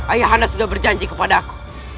ayah hana sudah berjanji kepada aku